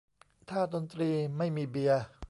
ถ้าดนตรีไม่มีเบียร์